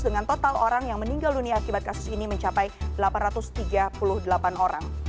dengan total orang yang meninggal dunia akibat kasus ini mencapai delapan ratus tiga puluh delapan orang